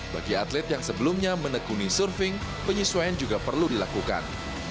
bagi atlet yang sebelumnya menekuni surfing penyesuaian juga perlu dilakukan